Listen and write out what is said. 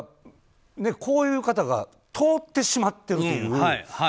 こういう方が通ってしまってるという。